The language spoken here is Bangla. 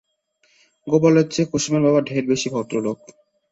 গোপালের চেয়ে কুসুমের বাবা ঢের বেশি ভদ্রলোক।